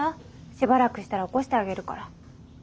しばらくしたら起こしてあげるから。